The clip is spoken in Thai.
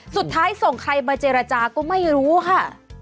สุดท้ายส่งใครมาเจรจาก็ไม่รู้ค่ะ